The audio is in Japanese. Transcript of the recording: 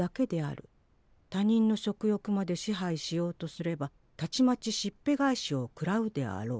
他人の食欲まで支配しようとすればたちまちしっぺ返しを食らうであろう。